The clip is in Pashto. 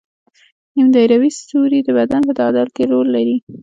نیم دایروي سوري د بدن په تعادل کې رول لري.